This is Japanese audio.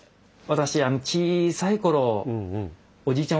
私小さい頃おじいちゃん